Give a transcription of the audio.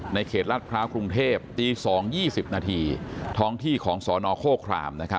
ในเขตรัฐพระครุงเทพฯตี๒๒๐นท้องที่ของสนโค่คราม